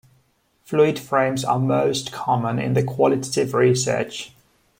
Fluid frames are most common in the qualitative research.